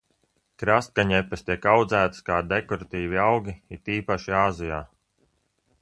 Krastkaņepes tiek audzētas kā dekoratīvi augi, it īpaši Āzijā.